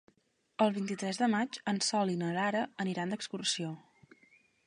El vint-i-tres de maig en Sol i na Lara aniran d'excursió.